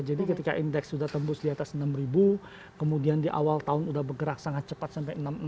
ketika indeks sudah tembus di atas enam ribu kemudian di awal tahun sudah bergerak sangat cepat sampai enam